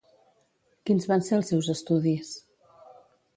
Quins van ser els seus estudis?